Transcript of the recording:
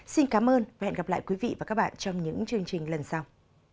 xin cảm ơn và hẹn gặp lại quý vị và các bạn trong những chương trình lần sau